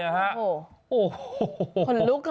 โอ้โฮคนลุกน่ะ